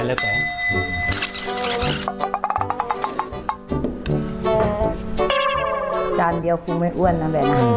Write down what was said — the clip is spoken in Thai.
จานเดียวคุณไม่อ้วนนะเวน่า